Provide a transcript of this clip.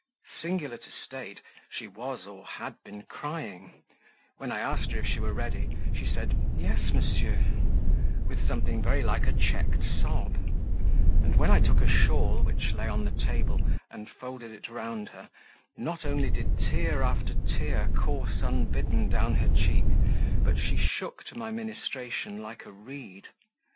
Singular to state, she was, or had been crying; when I asked her if she were ready, she said "Yes, monsieur," with something very like a checked sob; and when I took a shawl, which lay on the table, and folded it round her, not only did tear after tear course unbidden down her cheek, but she shook to my ministration like a reed.